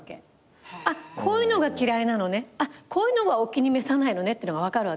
あっこういうのが嫌いなのねこういうのがお気に召さないのねってのが分かるわけ。